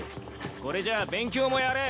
これじゃあ勉強もやれん。